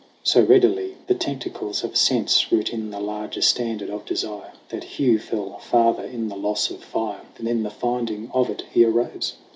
So readily the tentacles of sense Root in the larger standard of desire. That Hugh fell farther in the loss of fire Than in the finding of it he arose.